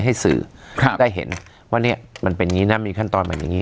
ให้สื่อได้เห็นว่าเนี่ยมันเป็นงี้น้ำมีขั้งตอบมันจริง